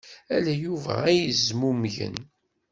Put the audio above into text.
Ala Yuba ay yezmumgen.